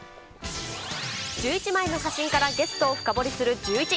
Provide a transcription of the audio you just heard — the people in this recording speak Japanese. １１枚の写真からゲストを深掘りするジューイチ。